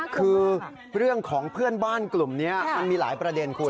คือเรื่องของเพื่อนบ้านกลุ่มนี้มันมีหลายประเด็นคุณ